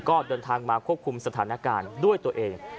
ก็เดินทางมาควบคุมสถานการณ์ด้วยตัวเอง